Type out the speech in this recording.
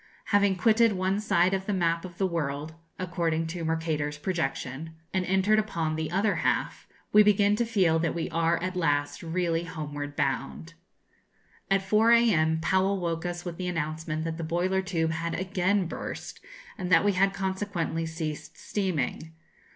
Having quitted one side of the map of the world (according to Mercator's projection), and entered upon the other half, we begin to feel that we are at last really 'homeward bound.' At four a.m. Powell woke us with the announcement that the boiler tube had again burst, and that we had consequently ceased steaming.